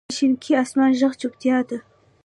د شینکي اسمان ږغ چوپتیا ده.